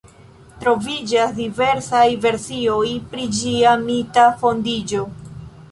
Troviĝas diversaj versioj pri ĝia mita fondiĝo.